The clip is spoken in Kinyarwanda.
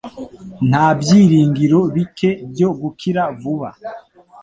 Nta byiringiro bike byo gukira vuba.